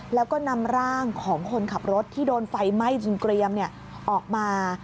แล้วก็นำร่างของคนขับรถที่โดนไฟไหม้จริงเกรียมออกมา